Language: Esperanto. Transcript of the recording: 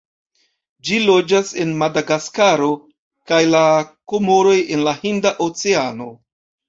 Ĝi loĝas en Madagaskaro kaj la Komoroj en la Hinda Oceano.